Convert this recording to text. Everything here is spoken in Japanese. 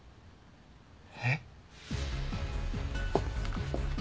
えっ？